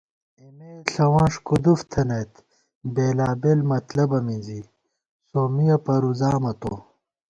اېمے ݪَوَنݭ کُدُف تھنَئیت ، بېلابېل مطلبہ مِنزی، سومّیہ پرُوزامہ تو